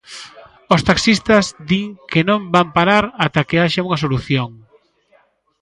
Os taxistas din que non van parar ata que haxa unha solución.